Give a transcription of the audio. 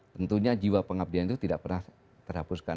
tentunya jiwa pengabdian itu tidak pernah terhapuskan